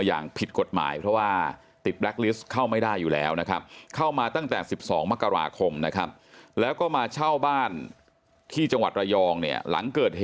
ยังไม่เจอว่าอ้างว่าเข้าไปทิ้งทะเล